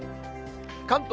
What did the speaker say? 関東